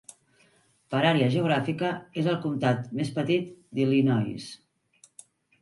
Per àrea geogràfica, és el comtat més petit d'Illinois.